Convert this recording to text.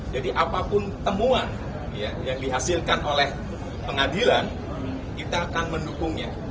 jadi apapun temuan yang dihasilkan oleh pengadilan kita akan mendukungnya